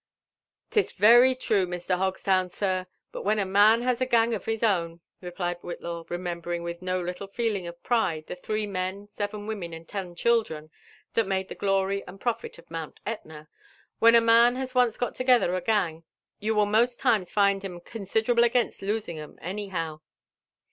," 'Tis very true, Mr. Uogstown, sir ; but when a man has a gang of his own," replied Whitlaw, remembering with no little feeling of pride the three men, seven women, and ten children, that made (he glory and profit of Mount Etna, — "when a man has once got together a gang, you will most times Gnd 'em considerable against losing 'em, any how."